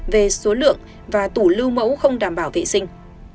về số lượng và tủ lưu mẫu không đảm bảo vệ sinh